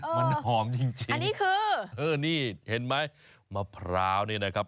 มันหอมจริงอันนี้คือเห็นไหมมะพร้าวเนี่ยนะครับ